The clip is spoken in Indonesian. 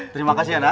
terima kasih ya nak